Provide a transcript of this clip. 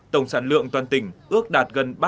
tổng sản lượng toàn tỉnh ước đạt gần ba trăm linh tấn